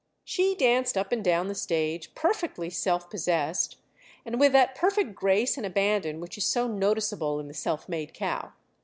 She danced up and down the stage, perfectly self possessed, and with that perfect grace and abandon which is so noticeable in the self made cow.